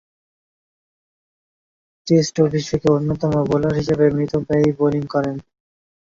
Test অভিষেকে অন্যতম bowler হিসেবে মিতব্যয়ী বোলিং করেন।